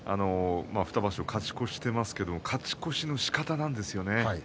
２場所勝ち越していますけれども勝ち越しの仕方なんですよね。